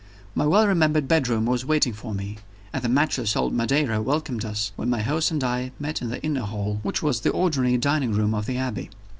My well remembered bedroom was waiting for me; and the matchless old Madeira welcomed us when my host and I met in the inner hall, which was the ordinary dining room of the Abbey.